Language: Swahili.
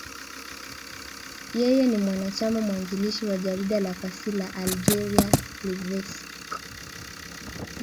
Yeye ni mwanachama mwanzilishi wa jarida la fasihi la Algeria, L'Ivrescq.